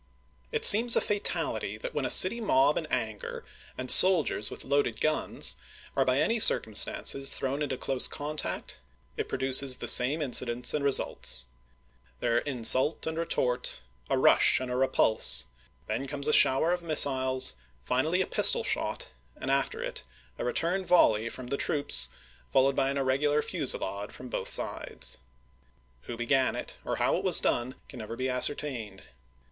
It seems a fatality that when a city mob in anger and soldiers with loaded guns are by any circum stances thrown into close contact it produces the same incidents and results. There are insult and retort, a rush and a repulse ; then comes a shower of missiles, finally a pistol shot, and after it a re turn volley from the troops, followed by an irreg ular fusillade from both sides. Who began it, or how it was done, can never be ascertained.